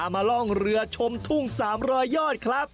มาล่องเรือชมทุ่ง๓๐๐ยอดครับ